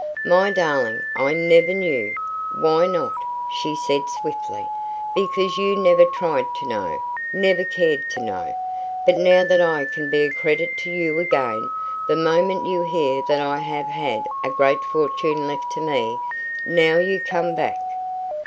"My darling, I never knew " "Why not?" she said swiftly. "Because you never tried to know never cared to know. But now that I can be a credit to you again the moment you hear that I have had a great fortune left to me now you come back."